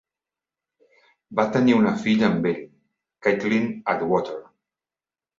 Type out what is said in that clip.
Va tenir una filla amb ell, Caitlin Atwater.